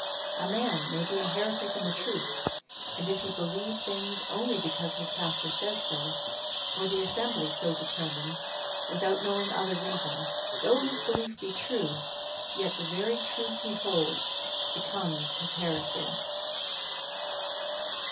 A man may be a heretic in the truth; and if he believe things only because his pastor says so, or the Assembly so determines, without knowing other reason, though his belief be true, yet the very truth he holds becomes his heresy.